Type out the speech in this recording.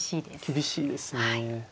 厳しいですね。